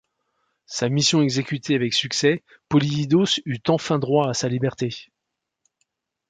Sa mission exécutée avec succès, Polyidos eut enfin droit à sa liberté.